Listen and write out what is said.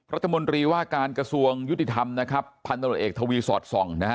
รัฐมนตรีว่าการกระทรวงยุติธรรมนะครับพันตรวจเอกทวีสอดส่องนะฮะ